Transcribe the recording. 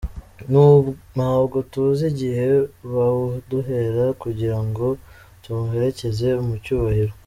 Ntabwo tuzi igihe bawuduhera kugira ngo tumuherekeze mu cyubahiro.”